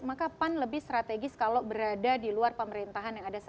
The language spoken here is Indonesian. maka pan lebih strategis kalau berada di luar pemerintahan